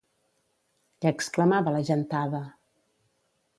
Què exclamava la gentada?